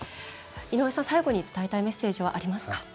井上さん、最後に伝えたいメッセージはありますか？